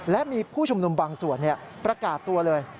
และมีผู้ชุมนุมบางส่วนประกาศตัวเลย